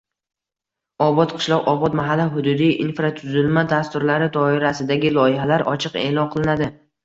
“Obod qishloq”, “Obod mahalla”, hududiy infratuzilma dasturlari doirasidagi loyihalar ochiq e’lon qilinadi.